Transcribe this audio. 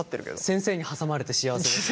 先生に挟まれて幸せです。